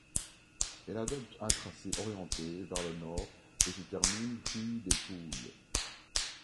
Elle adopte un tracé orienté vers le nord et se termine rue des Poules.